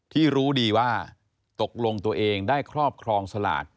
ที่รู้ดีว่าตกลงตัวเองได้ครอบครองสลาก